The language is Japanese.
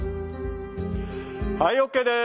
はいＯＫです。